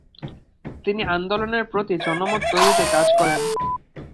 তিনি আন্দোলনের প্রতি জনমত তৈরিতে কাজ করেন।